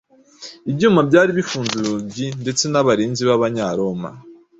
Ibyuma byari bifunze urugi ndetse n’abarinzi b’Abanyaroma